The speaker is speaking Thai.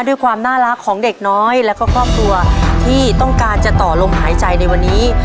ด้วยความน่ารักของเด็กน้อยแล้วก็ครอบครัวที่ต้องการจะต่อลมหายใจในวันนี้